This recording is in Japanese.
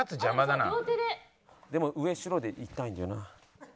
でも上白でいきたいんだよな。